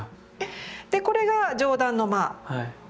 これが上段の間。